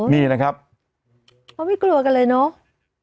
นี่นะครับเพราะไม่กลัวกันเลยเนาะ